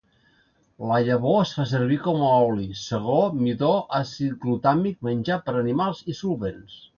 La llavor es fa servir com a oli, segó, midó, àcid glutàmic, menjar per animals i solvents.